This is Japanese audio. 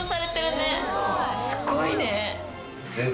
すごいね！